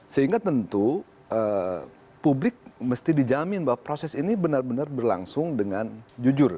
sehingga tentu publik mesti dijamin bahwa proses ini benar benar berlangsung dengan jujur